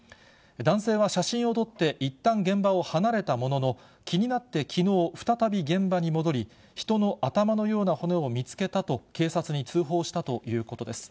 男性は写真を撮っていったん現場を離れたものの、気になってきのう、再び現場に戻り、人の頭のような骨を見つけたと警察に通報したということです。